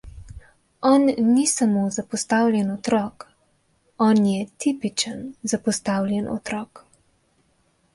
On ni samo zapostavljen otrok, on je tipičen zapostavljen otrok.